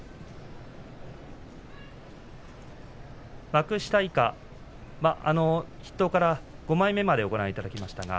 幕下筆頭から５枚目までをご覧いただきました。